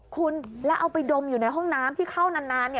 คุณแล้วเอาไปดมอยู่ในห้องน้ำที่เข้านาน